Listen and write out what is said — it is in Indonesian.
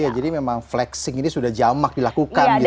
ya jadi memang flexing ini sudah jamak dilakukan gitu ya